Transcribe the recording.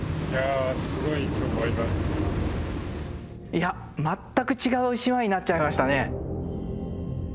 いや全く違う島になっちゃいましたね。